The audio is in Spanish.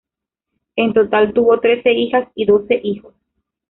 En total tuvo trece hijas y doce hijos.